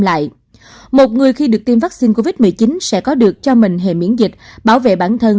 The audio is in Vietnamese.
lại một người khi được tiêm vaccine covid một mươi chín sẽ có được cho mình hệ miễn dịch bảo vệ bản thân